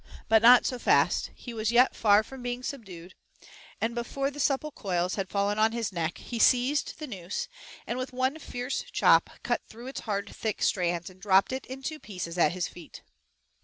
But not so fast; he was yet far from being subdued, and before the supple coils had fallen on his neck he seized the noose and, with one fierce chop, cut through its hard thick strands, and dropped it in two pieces at his feet.